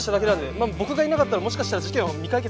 まぁ僕がいなかったらもしかしたら事件は未解決。